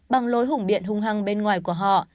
bằng lối hùng biện hung hăng bên ngoài của họ